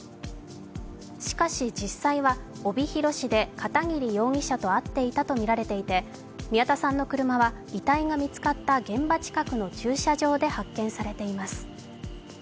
しかし、実際は帯広市で片桐容疑者と会っていたとみられていて、宮田さんの車は、遺体が見つかった現場近くの駐車場で見つかっています。